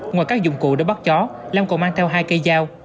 ngoài các dụng cụ đã bắt chó lam còn mang theo hai cây dao